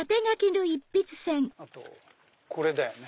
あとこれだよね。